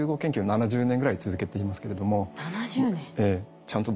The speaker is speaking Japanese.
７０年。